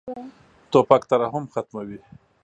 توپک ترحم ختموي.